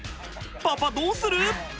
パパどうする？